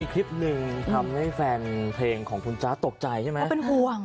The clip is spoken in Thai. คลิปหนึ่งทำให้แฟนเพลงของคุณจ๊ะตกใจใช่ไหมเป็นห่วง